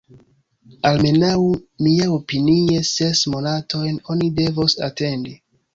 Almenaŭ, miaopinie, ses monatojn oni devos atendi.